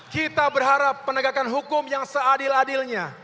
kita berharap penegakan hukum yang seadil adilnya